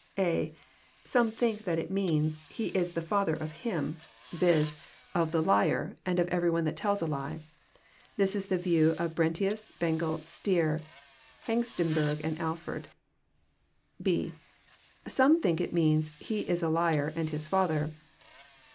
(a) Some think that it means "he is the father of himy" ^ 120 EXPOSITOBY THOUGHTS. viz., of tbe liar, of every one that tells a lie. This is the yiew of Brentius, Bengel, Stier, Hengstenbeig, and Alford. (&) Some think that it means '^ he is a liar, and his father.